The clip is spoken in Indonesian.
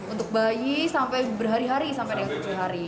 ini sampai berhari hari sampai dengan tujuh hari